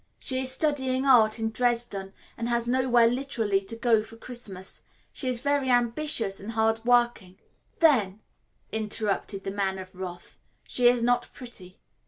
She is studying art in Dresden, and has nowhere literally to go for Christmas. She is very ambitious and hardworking " "Then," interrupted the Man of Wrath, "she is not pretty.